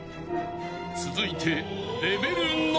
［続いて］